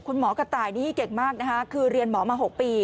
คุณหมอกระต่ายนี่เก่งมากนะคะคือเรียนหมอมา๖ปี